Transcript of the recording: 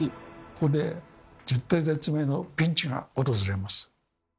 ここで絶体絶命のピンチが訪れます。